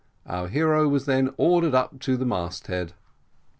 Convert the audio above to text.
Our hero was then ordered up to the mast head.